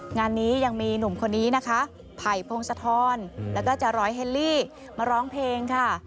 งานนี้ยังมีหนุ่มคนนี้นะคะไผ่พงศธรแล้วก็จาร้อยเฮลลี่มาร้องเพลงค่ะ